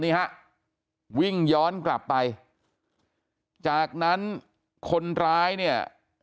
นี่ฮะวิ่งย้อนกลับไปจากนั้นคนร้ายเนี่ย